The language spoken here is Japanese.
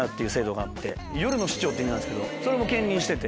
夜の市長っていう意味ですけどそれも兼任してて。